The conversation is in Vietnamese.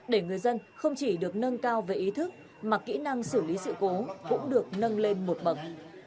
để người dân không chỉ được nâng cao về ý thức mà kỹ năng xử lý sự cố cũng được nâng lên một bậc